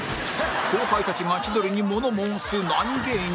後輩たちが千鳥に物申す何芸人？